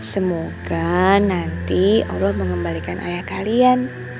semoga nanti allah mengembalikan ayah kalian